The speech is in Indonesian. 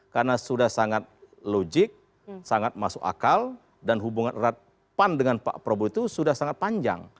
karena sudah sangat logik sangat masuk akal dan hubungan rad pan dengan pak prabowo itu sudah sangat panjang